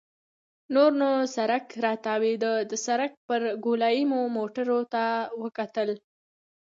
نور نو سړک راتاوېده، د سړک پر ګولایې مو موټرو ته وکتل.